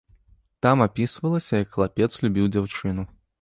Там апісвалася, як хлапец любіў дзяўчыну.